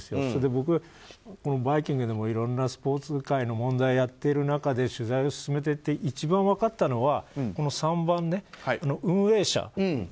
それで僕、「バイキング」でもいろいろなスポーツ界の問題をやっている中で取材を進めていって一番分かったのはこの３番、運営者。